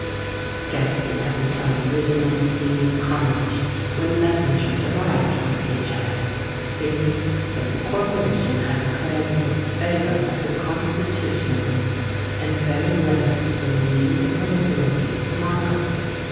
Scarcely had the sun risen on the scene of carnage, when messengers arrived from Piacere, stating that the corporation had declared in favour of the Constitutionalists, and bearing letters from the municipal authorities to Markham.